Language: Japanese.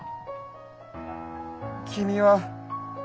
君は。